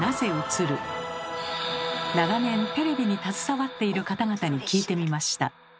長年テレビに携わっている方々に聞いてみました。